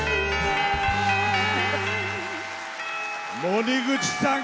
森口さん